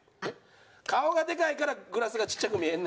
顔がでかいからグラスがちっちゃく見えんねん。